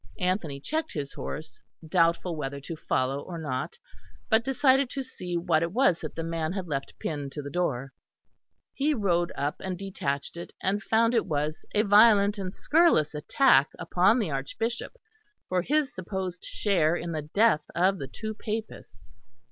Anthony checked his horse, doubtful whether to follow or not, but decided to see what it was that the man had left pinned to the door. He rode up and detached it, and found it was a violent and scurrilous attack upon the Archbishop for his supposed share in the death of the two Papists.